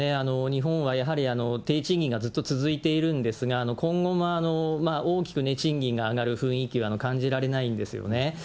日本はやはり低賃金がずっと続いているんですが、今後も大きく賃金が上がる雰囲気は感じられないんですよね。